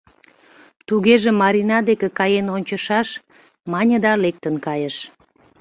— Тугеже Марина дек каен ончышаш, — мане да лектын кайыш.